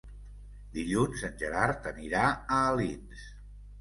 Dilluns en Gerard anirà a Alins.